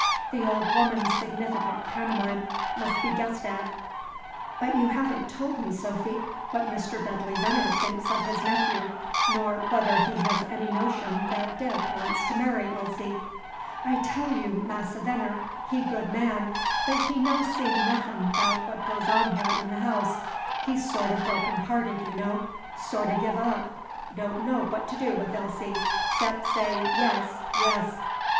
The old woman's significant pantomime must be guessed at. "But you haven't told me, Sophy, what Mr. Dudley Veneer thinks of his nephew, nor whether he has any notion that Dick wants to marry Elsie." "I tell you. Massa Venner, he good man, but he no see nothin' 'bout what goes on here in the house. He sort o' broken hearted, you know, sort o' giv up, don' know what to do wi' Elsie, 'xcep' say 'Yes, yes.'